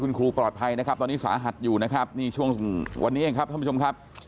คุณครูปลอดภัยนะครับตอนนี้สาหัสอยู่นะครับนี่ช่วงวันนี้เองครับท่านผู้ชมครับ